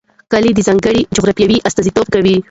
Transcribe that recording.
کلي د ځانګړې جغرافیې استازیتوب کوي.